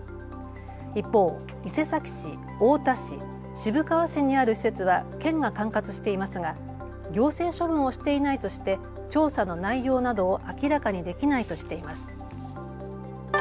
一方、伊勢崎市、太田市、渋川市にある施設は県が管轄していますが行政処分をしていないとして調査の内容などを明らかにできないとしています。